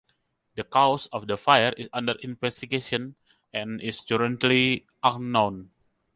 The cause of the fire is under investigation and is currently unknown.